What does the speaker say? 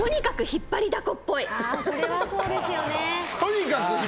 それはそうですよね。